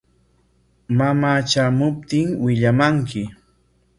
Mamaa tramuptin willamanki.